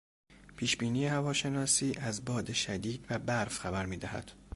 پیشبینی هواشناسی از باد شدید و برف خبر میدهد.